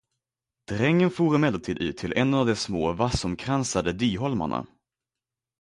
Drängen for emellertid ut till en av de små vassomkransade dyholmarna.